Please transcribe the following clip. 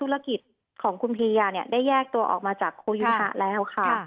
ลัต๙๓ภิริยะเนี่ยได้แยกตัวออกมาจากโครวยูทัศน์ค่ะ